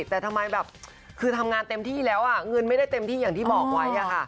แต่ทำไมแบบคือทำงานเต็มที่แล้วเงินไม่ได้เต็มที่อย่างที่บอกไว้